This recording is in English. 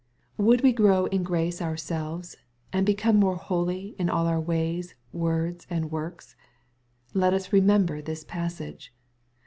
Would we grow in grace ourselves, and become more holy in all our ways, words, and works ? Let us re member this passage.